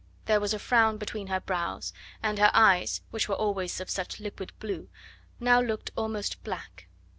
There was a frown between her brows, and her eyes, which were always of such liquid blue, now looked almost black.